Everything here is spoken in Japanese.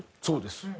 そうです。